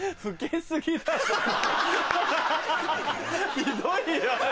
ひどいよ。